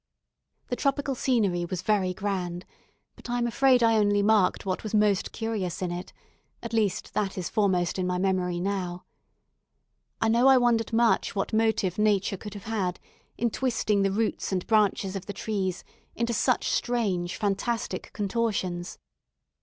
The tropical scenery was very grand; but I am afraid I only marked what was most curious in it at least, that is foremost in my memory now. I know I wondered much what motive Nature could have had in twisting the roots and branches of the trees into such strange fantastic contortions.